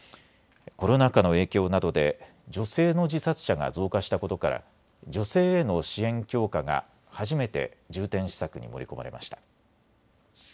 コロナ禍の影響などで女性の自殺者が増加したことから女性への支援強化が初めて重点施策に盛り込まれました。